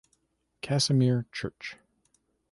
Casimir Church.